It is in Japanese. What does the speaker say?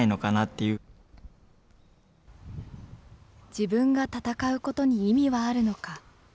自分が戦うことに意味はあるのか。